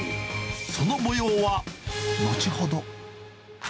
そのもようは後ほど。